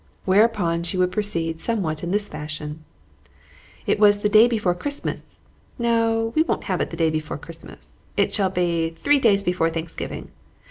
whereupon she would proceed somewhat in this fashion: "It was the day before Christmas no, we won't have it the day before Christmas; it shall be three days before Thanksgiving.